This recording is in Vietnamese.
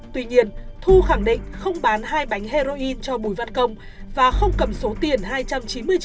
tuy nhiên thu khẳng định không bán hai bánh heroin cho bùi văn công và không cầm số tiền hai trăm chín mươi triệu đồng